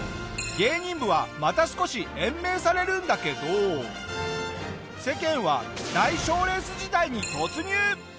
芸人部はまた少し延命されるんだけど世間は大賞レース時代に突入！